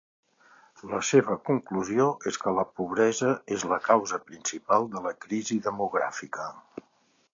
La seva conclusió és que la pobresa és la causa principal de la crisi demogràfica.